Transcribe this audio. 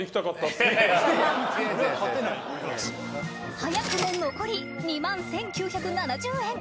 早くも残り２１，９７０円